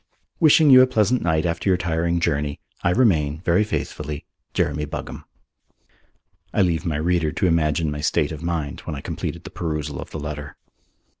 "Wishing you a pleasant night after your tiring journey, "I remain, "Very faithfully, "Jeremy Buggam." I leave my reader to imagine my state of mind when I completed the perusal of the letter.